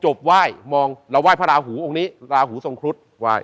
จบว่ายเราว่ายพระราหูพระราหูทรงครุฏ